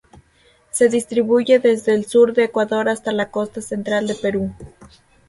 Se distribuye desde el sur de Ecuador hasta la costa central de Perú.